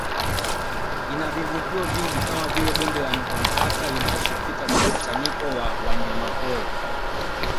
Ina vivutio vingi kama vile Bonde la Mto Mkata linalosifika kwa mkusanyiko wa wanyamapori